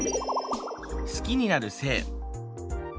好きになる性。